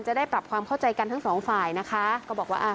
จะได้ปรับความเข้าใจกันทั้งสองฝ่ายนะคะก็บอกว่าอ่า